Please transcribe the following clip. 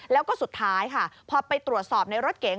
แล้วก็สุดท้ายค่ะพอไปตรวจสอบในรถเก๋ง